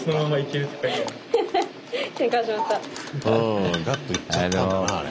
うんがっといっちゃったんだなあれ。